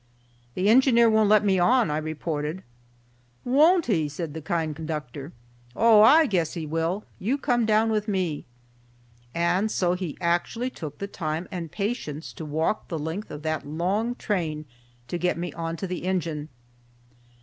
"The engineer won't let me on," I reported. "Won't he?" said the kind conductor. "Oh! I guess he will. You come down with me." And so he actually took the time and patience to walk the length of that long train to get me on to the engine.